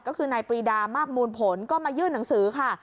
ก็คือนายปรีดามากมูลผลก็มายื่นหนังสือค่ะ